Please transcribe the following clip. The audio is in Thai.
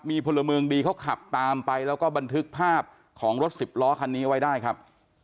มีพลเมืองดีเขาขับตามไปแล้วก็บันทึกภาพของรถสิบล้อคันนี้ไว้ได้ครับ